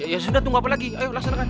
ya sudah tunggu apa lagi ayo laksanakan